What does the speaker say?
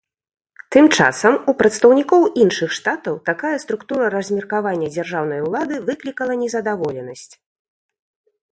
Тым часам, у прадстаўнікоў іншых штатаў такая структура размеркавання дзяржаўнай улады выклікала незадаволенасць.